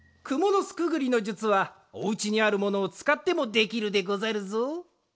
くものすくぐりのじゅつはおうちにあるものをつかってもできるでござるぞ。